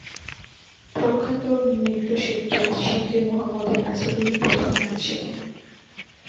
প্রখ্যাত নৃত্যশিল্পী শিবলী মোহাম্মদ এর কাছে তিনি প্রথম নাচ শেখেন।